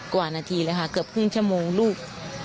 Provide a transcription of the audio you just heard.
กว่านาทีเลยค่ะเกือบครึ่งชั่วโมงลูก